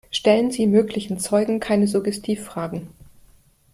Stellen Sie möglichen Zeugen keine Suggestivfragen.